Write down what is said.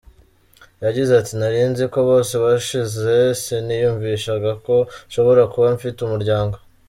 Yagize ati “Nari nzi ko bose bashize, siniyumvishagako nshobora kuba mfite umuryango.